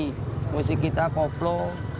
jadi musik kita koplo